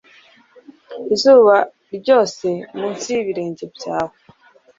Izuba ryose munsi yibirenge byawe